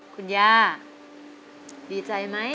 คุณย่าดีใจไหม